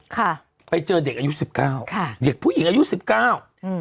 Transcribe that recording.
ค่ะไปเจอเด็กอายุสิบเก้าค่ะเด็กผู้หญิงอายุสิบเก้าอืม